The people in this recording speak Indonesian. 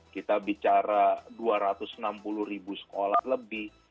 kita bicara dua ratus enam puluh ribu sekolah lebih